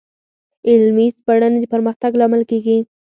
علمي سپړنې د پرمختګ لامل کېږي.